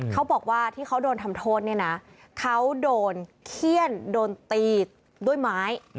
เขาบอกว่าที่เขาโดนทำโทษเนี่ยนะเขาโดนเขี้ยนโดนตีด้วยไม้